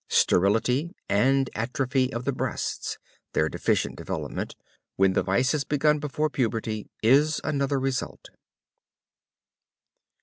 Sterility, and atrophy of the breasts their deficient development when the vice is begun before puberty, is another result.